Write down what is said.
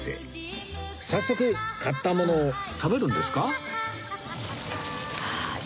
早速買ったものを食べるんですか？